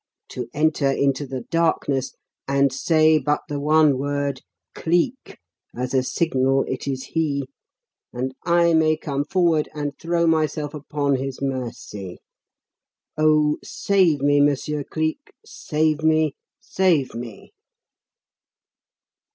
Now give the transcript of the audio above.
to enter into the darkness and say but the one word "Cleek" as a signal it is he, and I may come forward and throw myself upon his mercy. Oh, save me, Monsieur Cleek save me! save me!'